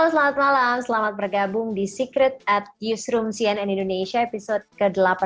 halo selamat malam selamat bergabung di secret at newsroom cnn indonesia episode ke delapan belas